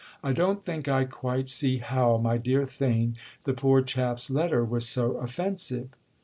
"I don't think I quite see how, my dear Theign, the poor chap's letter was so offensive."